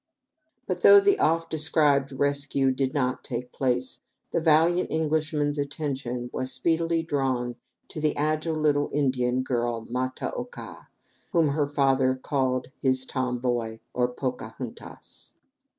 But though the oft described "rescue" did not take place, the valiant Englishman's attention was speedily drawn to the agile little Indian girl, Ma ta oka, whom her father called his "tomboy," or po ca hun tas.